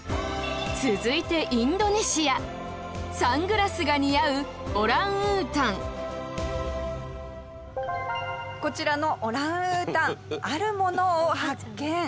続いて、インドネシアサングラスが似合うオランウータン下平：こちらのオランウータンあるものを発見。